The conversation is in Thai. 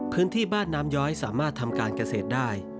พื้นที่บ้านน้ำย้อยสามารถทำการเกษตรได้